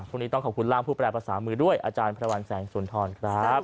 ต้องขอบคุณร่างผู้แปรภาษามือด้วยอาจารย์พระวันแสงสุนทรครับ